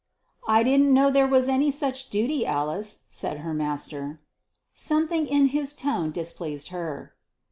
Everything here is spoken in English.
"I didn't know there was such a duty, Alice," said her master. Something in his tone displeased her.